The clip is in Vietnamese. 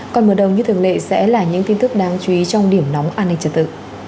còn mở đầu như thường lệ sẽ là những tin tức đáng chú ý trong điểm nóng an ninh trật tự